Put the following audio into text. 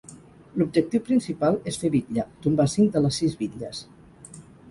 L'objectiu principal és fer Bitlla, tombar cinc de les sis bitlles.